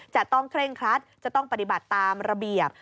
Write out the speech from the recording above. จะต้องเคร่งครัดจะต้องปฏิบัติตามระเบียบ